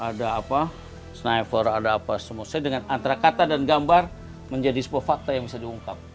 ada apa sniper ada apa semuanya dengan antara kata dan gambar menjadi sebuah fakta yang bisa diungkap